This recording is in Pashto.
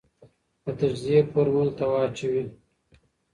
د تجزیې فورمول ته واچوې ،